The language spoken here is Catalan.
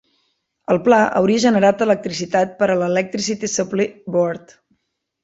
El pla hauria generat electricitat per a l'Electricity Supply Board.